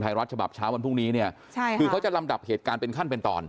รัฐฉบับเช้าวันพรุ่งนี้เนี่ยใช่ค่ะคือเขาจะลำดับเหตุการณ์เป็นขั้นเป็นตอน